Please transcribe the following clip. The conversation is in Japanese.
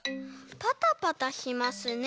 パタパタしますね。